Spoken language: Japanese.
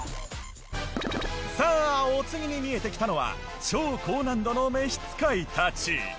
さあお次に見えてきたのは超高難度の召使いたち。